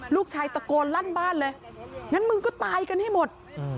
ลูกชายตะโกนลั่นบ้านเลยงั้นมึงก็ตายกันให้หมด